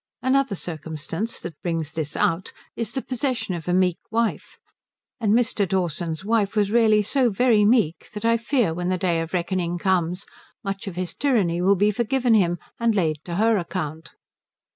Another circumstance that brings this out is the possession of a meek wife; and Mr. Dawson's wife was really so very meek that I fear when the Day of Reckoning comes much of this tyranny will be forgiven him and laid to her account.